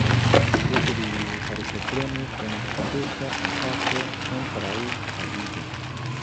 Poste li partoprenis en sukcesa atako kontraŭ Kadizo.